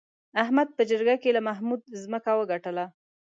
احمد په جرګه کې له محمود ځمکه وګټله.